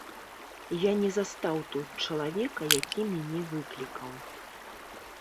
Я не застаў тут чалавека, які мяне выклікаў.